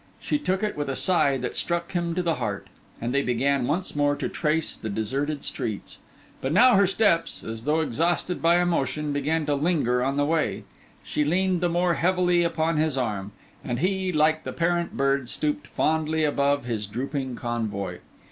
She took it with a sigh that struck him to the heart; and they began once more to trace the deserted streets. But now her steps, as though exhausted by emotion, began to linger on the way; she leaned the more heavily upon his arm; and he, like the parent bird, stooped fondly above his drooping convoy.